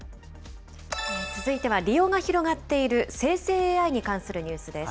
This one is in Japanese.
続いては利用が広がっている生成ＡＩに関するニュースです。